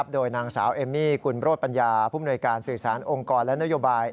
โดยนางสาวเอมมี่กุลโรธปัญญาผู้มนวยการสื่อสารองค์กรและนโยบาย